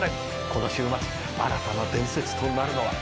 この週末新たな伝説となるのは。